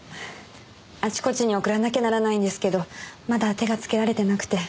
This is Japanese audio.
あちこちに送らなきゃならないんですけどまだ手がつけられてなくて。